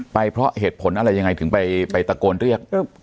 เพราะเหตุผลอะไรยังไงถึงไปตะโกนเรียก